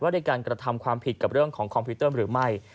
ในการกระทำความผิดกับเรื่องของคอมพิวเตอร์หรือไม่